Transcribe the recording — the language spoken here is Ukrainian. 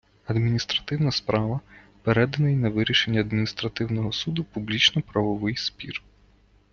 адміністративна справа - переданий на вирішення адміністративного суду публічно-правовий спір